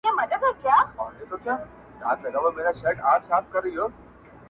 خو د دوی د پاچهۍ نه وه رنګونه-